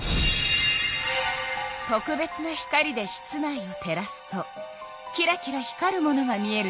特別な光で室内を照らすとキラキラ光るものが見えるでしょ？